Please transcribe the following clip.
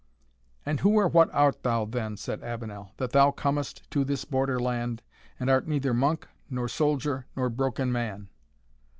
"And who or what art thou, then," said Avenel, "that thou comest to this Border land, and art neither monk, nor soldier, nor broken man?"